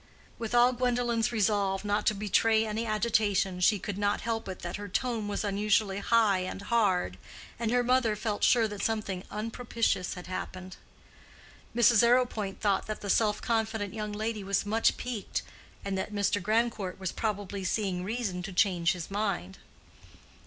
With all Gwendolen's resolve not to betray any agitation, she could not help it that her tone was unusually high and hard, and her mother felt sure that something unpropitious had happened. Mrs. Arrowpoint thought that the self confident young lady was much piqued, and that Mr. Grandcourt was probably seeing reason to change his mind.